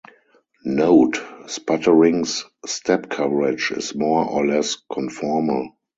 Note, sputtering's step coverage is more or less conformal.